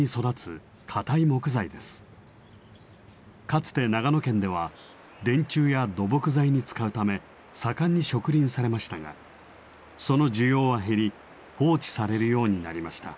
かつて長野県では電柱や土木材に使うため盛んに植林されましたがその需要は減り放置されるようになりました。